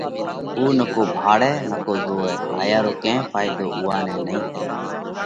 اُو نڪو ڀاۯئہ نڪو زوئہ، هايا رو ڪئين ڦائيڌو اُوئون نئہ نئين ٿئہ۔